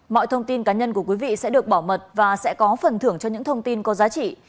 mọi thông tin cá nhân của quý vị sẽ được bảo mật và sẽ có phần thưởng cho những thông tin có giá trị